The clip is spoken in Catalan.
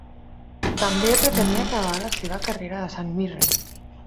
També pretenia acabar la seva carrera a St Mirren.